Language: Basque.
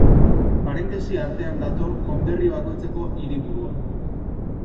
Parentesi artean dator konderri bakoitzeko hiriburua.